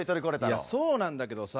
いやそうなんだけどさ。